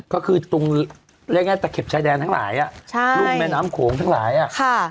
ก็คือตรงเรียกง่ายตะเข็บชายแดนทั้งหลายอ่ะใช่รุ่มแม่น้ำโขงทั้งหลายอ่ะค่ะ